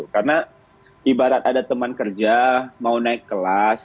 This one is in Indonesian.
karena ibarat ada teman kerja mau naik kelas